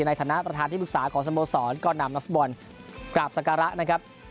ในฐานะประธานที่ปรึกษาของสมสรก็นำนัฐบอลกราบสังการะ